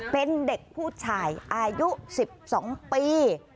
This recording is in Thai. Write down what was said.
เป็นเด็กผู้ชายอายุ๑๒ปี